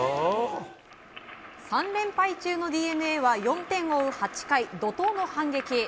３連敗中のＤｅＮＡは４点を追う８回、怒涛の反撃。